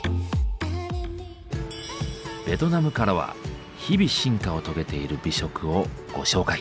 ベトナムからは日々進化を遂げている美食をご紹介。